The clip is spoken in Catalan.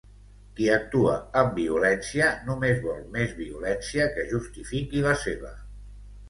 Qui actua amb violència només vol més violència que justifiqui la seva.